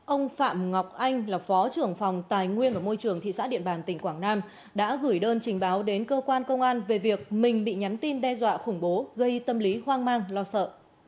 ông phạm ngọc anh là phó trưởng phòng tài nguyên và môi trường thị xã điện bàn tỉnh quảng nam đã gửi đơn trình báo đến cơ quan công an về việc mình bị nhắn tin đe dọa khủng bố gây tâm lý hoang mang lo sợ